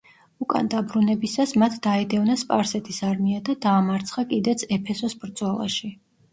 უკან დაბრუნებისას მათ დაედევნა სპარსეთის არმია და დაამარცხა კიდეც ეფესოს ბრძოლაში.